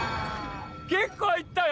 結構いったよ